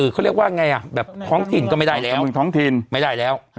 เขาเรียกว่าไงอะท้องถิ่นก็ไม่ได้แล้ว